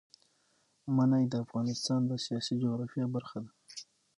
منی د افغانستان د سیاسي جغرافیه برخه ده.